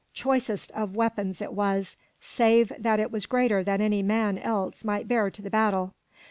Choicest of weapons it was, save that it was greater than any man else might bear to the battle.